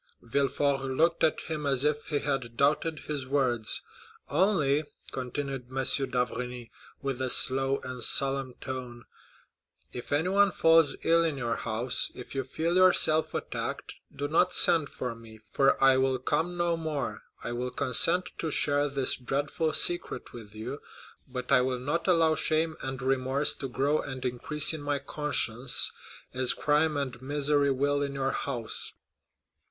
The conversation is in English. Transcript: Villefort looked at him as if he had doubted his words. "Only," continued M. d'Avrigny, with a slow and solemn tone, "if anyone falls ill in your house, if you feel yourself attacked, do not send for me, for I will come no more. I will consent to share this dreadful secret with you, but I will not allow shame and remorse to grow and increase in my conscience, as crime and misery will in your house."